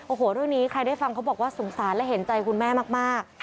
โอ้โหเรื่องนี้ใครได้ฟังเขาบอกว่าสงสารและเห็นใจคุณแม่มาก